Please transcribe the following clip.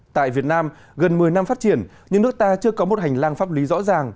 tại việt nam gần một mươi năm phát triển nhưng nước ta chưa có một hành lang pháp lý rõ ràng